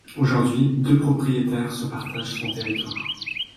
Aujourd'hui deux propriétaires se partagent son territoire.